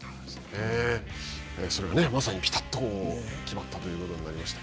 まさにぴたっと決まったということになりました。